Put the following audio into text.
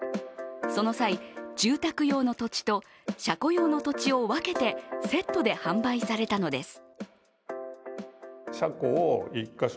その際、住宅用の土地と車庫用の土地を分けてセットで販売されたのです。